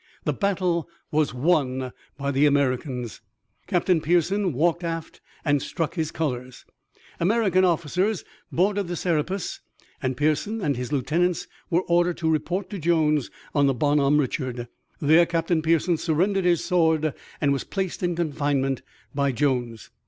The battle was won by the Americans. Captain Pearson walked aft and struck his colors. American officers boarded the Serapis, and Pearson and his lieutenants were ordered to report to Jones on the Bonhomme Richard. There Captain Pearson surrendered his sword and was placed in confinement by Jones.